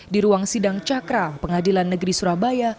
di ruang sidang cakra pengadilan negeri surabaya